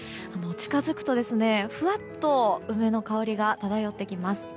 近づくと、ふわっと梅の香りが漂ってきます。